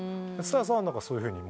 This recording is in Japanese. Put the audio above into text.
蔦谷さんはそういうふうに。